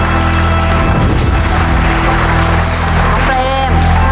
น้องเปรม